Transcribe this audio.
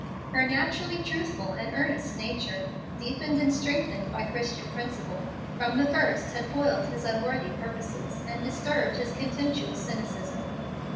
Her naturally truthful and earnest nature, deepened and strengthened by Christian principle, from the first had foiled his unworthy purposes, and disturbed his contemptuous cynicism.